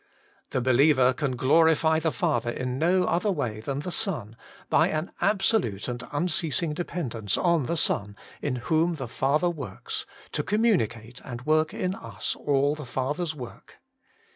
The believer can glorify the Father in no other way than the Son, by an absolute and unceasing dependence on the Son, in whom the Father works, to communicate and work in us all the Father's work.